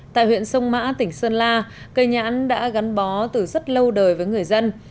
tại huyện sông mã tỉnh sơn la cây nhãn đã gắn bó từ rất lâu đời với người dân